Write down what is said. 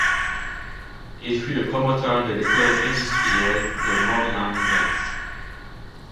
Il fut le promoteur de l'école industrielle de Morlanwelz.